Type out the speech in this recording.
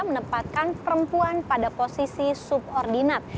menempatkan perempuan pada posisi subordinat